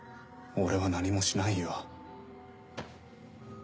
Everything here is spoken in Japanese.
俺は何もしないよ